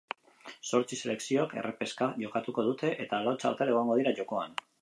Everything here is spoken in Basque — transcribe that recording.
Zortzi selekziok errepeska jokatuko dute, eta lau txartel egongo dira jokoan.